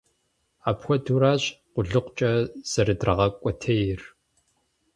Апхуэдэурэщ къулыкъукӀэ зэрыдрагъэкӀуэтейр.